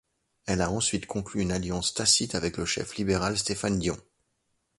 Elle a ensuite conclu une alliance tacite avec le chef libéral Stéphane Dion.